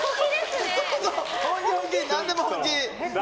何でも本気。